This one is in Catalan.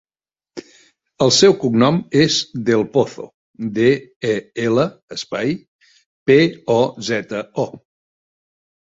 El seu cognom és Del Pozo: de, e, ela, espai, pe, o, zeta, o.